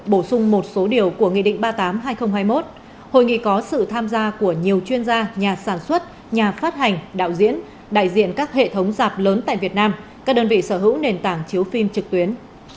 bổ sung một số điều của nghị định ba mươi tám hai nghìn hai mươi một hội nghị có sự tham gia của nhiều chuyên gia nhà sản xuất nhà phát hành đạo diễn đại diện các hệ thống dạp lớn tại việt nam các đơn vị sở hữu nền tảng chiếu phim trực tuyến